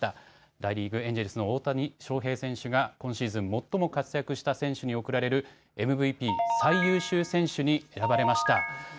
大リーグ、エンジェルスの大谷翔平選手が今シーズン最も活躍した選手に贈られるＭＶＰ・最優秀選手に選ばれました。